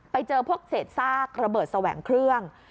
ไปเจอพวกเศษซากระเบิดแสวงเครื่อง